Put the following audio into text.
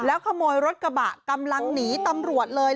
ขโมยรถกระบะกำลังหนีตำรวจเลย